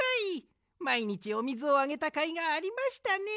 まいにちおみずをあげたかいがありましたね。